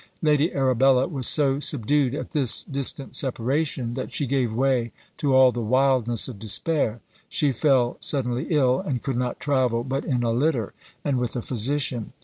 Lady Arabella was so subdued at this distant separation, that she gave way to all the wildness of despair; she fell suddenly ill, and could not travel but in a litter, and with a physician.